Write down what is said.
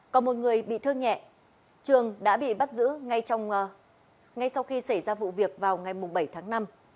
còn một người bị thương nhẹ trường đã bị bắt giữ ngay sau khi xảy ra vụ việc vào ngày bảy tháng năm